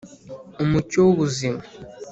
umucyo w'ubuzima'